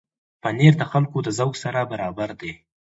پنېر د خلکو د ذوق سره برابر دی.